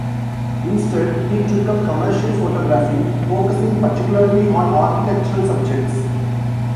Instead, he took up commercial photography, focusing particularly on architectural subjects.